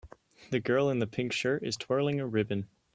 The girl in the pink shirt is twirling a ribbon